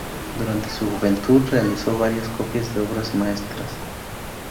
Durante su juventud realizó varias copias de obras maestras.